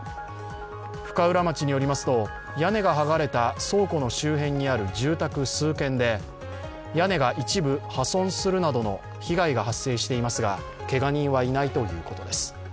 深浦町によりますと、屋根がはがれた倉庫の周辺にある住宅数軒で屋根が一部破損するなどの被害が発生していますがけが人はいないということです。